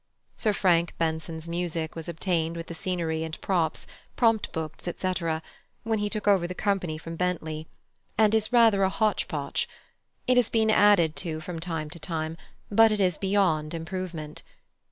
Sir Frank Benson's music was obtained with the scenery and props, prompt books, etc., when he took over the company from Bentley, and is rather a hotch potch. It has been added to from time to time, but it is beyond improvement.